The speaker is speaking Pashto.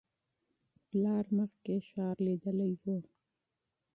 پلار مخکې ښار لیدلی و.